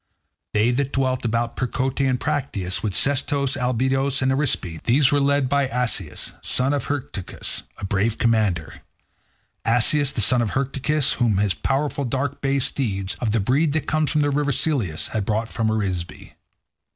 They that dwelt about Percote and Practius, with Sestos, Abydos, and Arisbe—these were led by Asius, son of Hyrtacus, a brave commander—Asius, the son of Hyrtacus, whom his powerful dark bay steeds, of the breed that comes from the river Selleis, had brought from Arisbe.